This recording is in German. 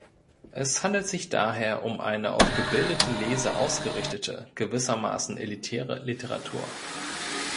Es handelt sich daher um eine auf gebildete Leser ausgerichtete, gewissermaßen elitäre Literatur.